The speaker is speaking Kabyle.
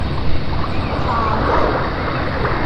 Tɛerḍeḍ.